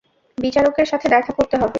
বিচারকের সাথে দেখা করতে হবে।